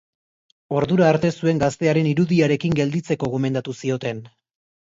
Ordura arte zuen gaztearen irudiarekin gelditzeko gomendatu zioten.